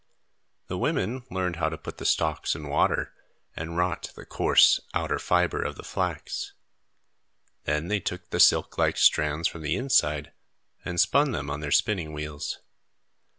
The women learned how to put the stalks in water and rot the coarse, outer fibre of the flax. Then they took the silk like strands from the inside and spun them on their spinning wheels.